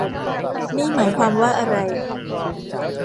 นี่หมายความว่าอะไร